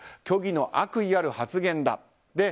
虚偽の悪意ある発言だ。